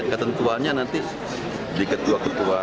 ketentuannya nanti di ketua ketua